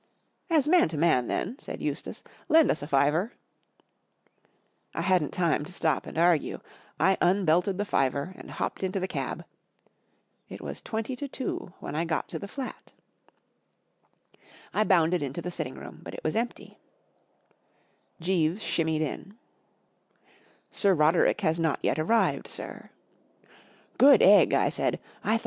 " As man to man, then," said Eustace, " lend 11 s a fiver." I hadn't time to stop and argue. I un¬ belted the fiver and hopped into the cab. It was tweWv dr^fwo w'hen I got to the flat. UNIVERSITY OF MICHIGAN 235 P. G. Wodehouse I bounded into the sitting room* but it was empty. Jeeves shimmied in. " Sir Roderick has not yet arrived* sir/' * Good egg! ,p I said. ' I thought